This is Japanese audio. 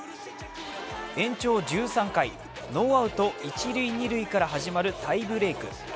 延長１３回、ノーアウト一・二塁から始まるタイブレーク。